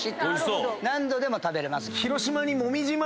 何度でも食べれます。